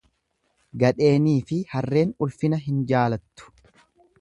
Gadheeniifi harreen ulfina hin jaalattu.